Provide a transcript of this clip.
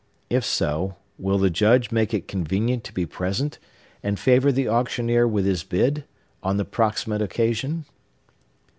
If so, will the Judge make it convenient to be present, and favor the auctioneer with his bid, on the proximate occasion?